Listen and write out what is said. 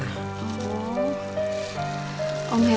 om herman pasti kecewa